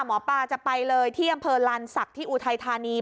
หมอปลาจะไปเลยที่อำเภอลานศักดิ์ที่อุทัยธานี